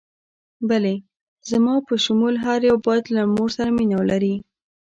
بلې، زما په شمول هر یو باید له مور سره مینه ولري.